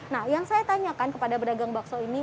nah yang saya tanyakan kepada pedagang bakso ini